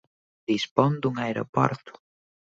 Dispón dun aeroporto.